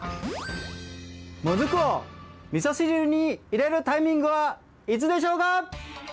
もずくをみそ汁に入れるタイミングはいつでしょうか？